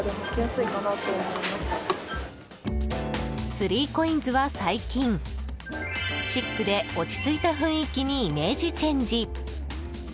スリーコインズは最近シックで落ち着いた雰囲気にイメージチェンジ。